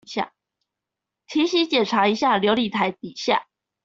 提醒檢查一下流理台底下